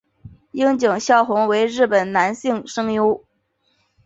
樱井孝宏为日本男性声优。